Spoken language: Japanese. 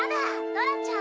ドラちゃん。